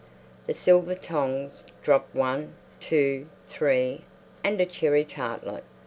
The silver tongs dropped one, two, three—and a cherry tartlet.